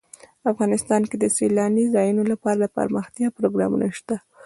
افغانستان کې د سیلانی ځایونه لپاره دپرمختیا پروګرامونه شته.